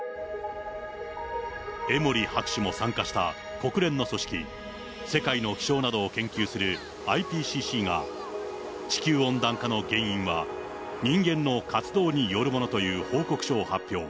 江守博士も参加した国連の組織、世界の気象などを研究するＩＰＣＣが地球温暖化の原因は、人間の活動によるものという報告書を発表。